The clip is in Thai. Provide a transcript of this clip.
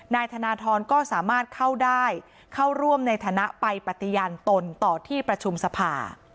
นายธนทรก็สามารถเข้าได้เข้าร่วมในฐานะไปปฏิญาณตนต่อที่ประชุมสภา